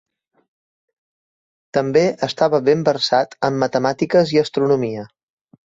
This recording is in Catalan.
També estava ben versat en matemàtiques i astronomia.